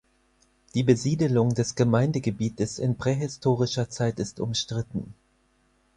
Die Besiedelung des Gemeindegebietes in prähistorischer Zeit ist umstritten.